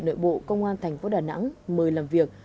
nội bộ công an thành phố đà nẵng mời làm việc